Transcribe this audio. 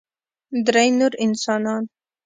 درې نور انسانان